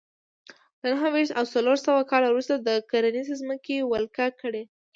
له نهه ویشت او څلور سوه کال وروسته د کرنیزې ځمکې ولکه کړې